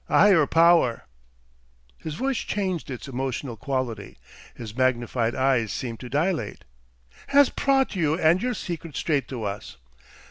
A higher power" his voice changed its emotional quality, his magnified eyes seemed to dilate "has prought you and your secret straight to us.